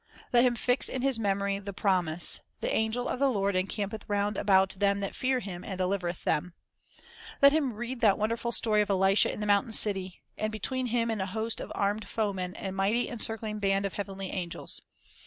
Let him fix in his memory the promise, "The angel of the Lord encampeth round about them that fear Him, and delivereth them." 3 Let him read that wonderful story of Elisha in the mountain city, and, between him and the hosts of armed foemen, a mighty encircling band of heavenly angels.